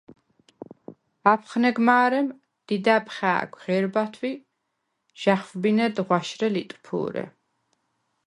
აფხნეგ მა̄რემ დიდა̈ბ ხა̄̈ქვ ღე̄რბათვ ი ჟ’ა̈ხვბინედ ღვაშრე ლიტფუ̄რე.